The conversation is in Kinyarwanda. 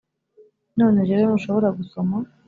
None rero nushobora gusoma